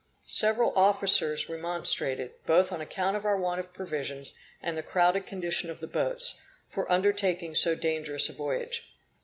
Several officers remonstrated, both on account of our want of provisions and the crowded condition of the boats, for undertaking so dangerous a voyage.